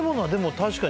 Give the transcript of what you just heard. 確かに。